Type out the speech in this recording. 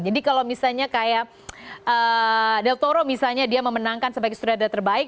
jadi kalau misalnya kayak del toro misalnya dia memenangkan sebagai sudara terbaik